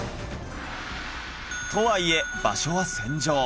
とはいえ場所は戦場